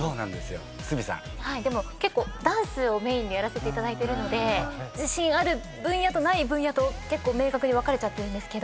でも結構ダンスをメインにやらせていただいてるので自信ある分野とない分野と結構明確に分かれちゃってるんです。